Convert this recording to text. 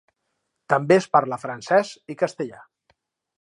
També es parla francès i castellà.